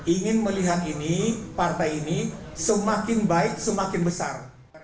ingin melihat ini partai ini semakin baik semakin besar